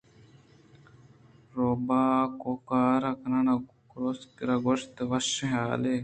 روباہ ءَ کُوکار کنان ءَ کُروس ءَ را گوٛشت وشّیں حالے